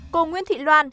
cô nguyễn thị loan